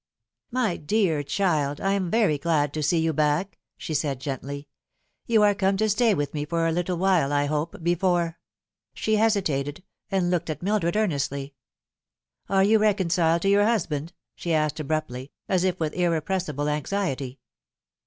" My dear child, I am very glad to see you back," she said gently. " You are come to stay with me for a little while, I hope, before " She hesitated, and looked at Mildred earnestly. " Are you reconciled to your husband ?" she asked abruptly, as if with irrepressible anxiety.